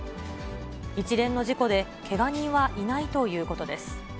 一連の事故で、けが人はいないということです。